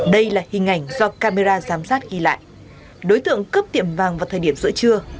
đây là hình ảnh do camera giám sát ghi lại đối tượng cướp tiệm vàng vào thời điểm giữa trưa